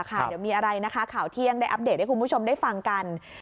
เดี๋ยวมีอะไรนะคะข่าวเที่ยงได้อัปเดตให้คุณผู้ชมได้ฟังกัน